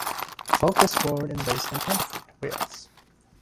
Volk was born and raised in Pontypridd, Wales.